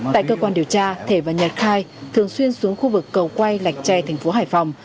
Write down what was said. tại cơ quan điều tra thể và nhật khai thường xuyên xuống khu vực cầu quay lạch tre thành phố hải phòng